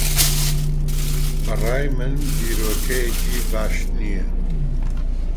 بە ڕای من بیرۆکەیەکی باش نییە.